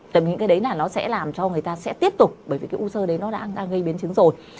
tại mình nghĩ cái đấy là nó sẽ làm cho người ta sẽ tiếp tục bởi vì cái u sơ đấy nó đã gây biến chứng rồi